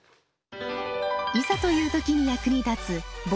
いざという時に役に立つ防災の知恵。